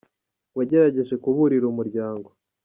wagerageje kuburira Umuryango.